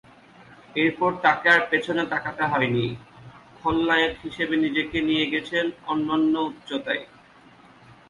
এরপর তাকে আর পেছনে তাকাতে হয়নি, খলনায়ক হিসেবে নিজেকে নিয়ে গেছেন অন্যন্য উচ্চতায়।